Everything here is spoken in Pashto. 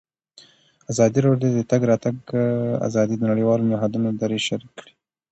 ازادي راډیو د د تګ راتګ ازادي د نړیوالو نهادونو دریځ شریک کړی.